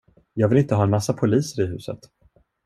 Jag vill inte ha en massa poliser i huset.